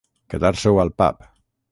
Quedar-s'ho al pap.